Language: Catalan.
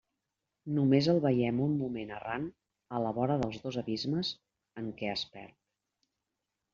Només el veiem un moment errant a la vora dels dos abismes en què es perd.